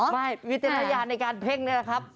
ไม่วิจารณญาณในการเพ่งด้วยนะครับ